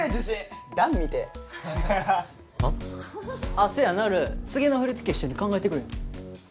あっせやなる次の振り付け一緒に考えてくれへん？